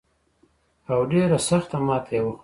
او ډېره سخته ماته یې وخوړه.